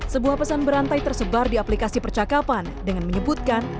sebuah pesan berantai tersebar di aplikasi percakapan dengan menyebutkan